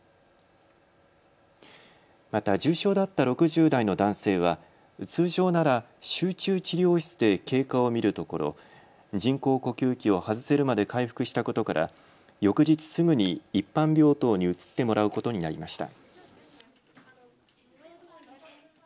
また重症だった６０代の男性は通常なら集中治療室で経過を見るところ、人工呼吸器を外せるまで回復したことから翌日すぐに一般病棟に移ってもらうことになりました。